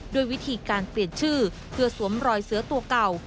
ด้วยวิธีการเปลี่ยนชื่อเพื่อสวมรอยเสือตัวเก่า